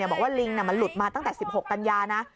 บอกว่าลิงมันหลุดมาตั้งแต่๑๖กันยานะ